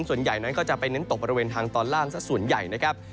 ส่วนใหญ่นั้นก็จะไปเน้นตกบริเวณทางตอนล่างสักส่วนใหญ่นะครับ